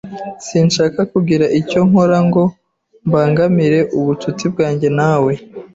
Sinshaka kugira icyo nkora ngo mbangamire ubucuti bwanjye nawe.